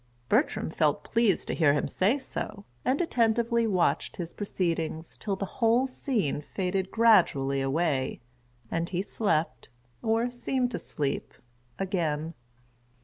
Bertram felt pleased to hear him say so, and attentively watched his proceedings, till the whole scene faded gradually away, and he slept, or seemed to sleep, again.